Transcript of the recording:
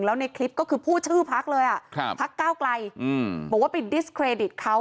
แล้วในคลิปก็คือพูดชื่อพักเลยอ่ะครับพักก้าวไกลบอกว่าไปดิสเครดิตเขา